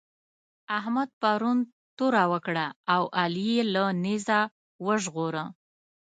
احمد پرون توره وکړه او علي يې له نېزه وژغوره.